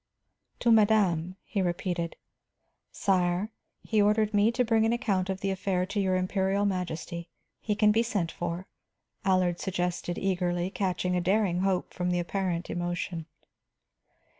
"To madame," he repeated. "Sire, he ordered me to bring an account of the affair to your Imperial Majesty. He can be sent for," Allard suggested eagerly, catching a daring hope from the apparent emotion.